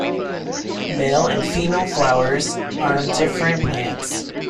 Male and female flowers are on different plants.